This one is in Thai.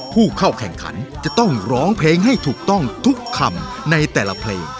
ผู้เข้าแข่งขันจะต้องร้องเพลงให้ถูกต้องทุกคำในแต่ละเพลง